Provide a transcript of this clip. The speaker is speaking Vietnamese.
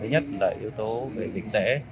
thứ nhất là yếu tố về dịch tễ